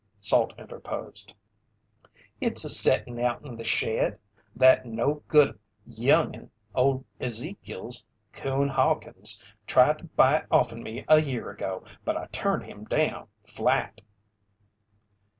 Salt interposed. "It's a settin' out in the shed. That no good young'un o' Ezekiel's, Coon Hawkins, tried to buy it off'en me a year ago, but I turned him down flat."